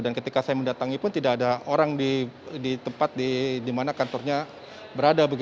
dan ketika saya mendatangi pun tidak ada orang di tempat di mana kantornya berada